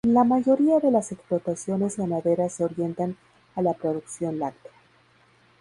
La mayoría de las explotaciones ganaderas se orientan a la producción láctea.